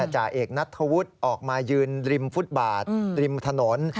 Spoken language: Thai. จ่าเอกนัทธวุฒิออกมายืนริมฟุตบาทริมถนน